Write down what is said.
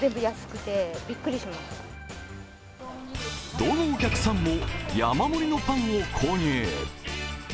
どのお客さんも山盛りのパンを購入。